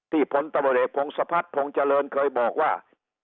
ที่พลตะเบอร์เดชพงศพัฒน์พงศ์เจริญเคยบอกว่า